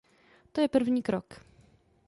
To je první krok.